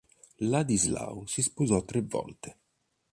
Ladislao si sposò tre volte.